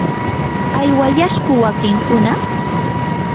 ¿aywayashku wakinkuna?